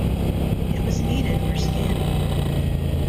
It was needed for scanning.